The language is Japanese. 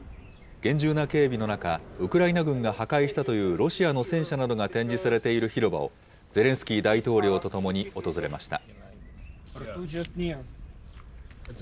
厳重な警備の中、ウクライナ軍が破壊したというロシアの戦車などが展示されている広場を、ゼレンスキー大統領と共に訪れました。